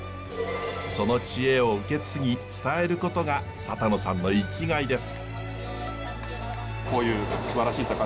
その知恵を受け継ぎ伝えることが佐田野さんの生きがいです。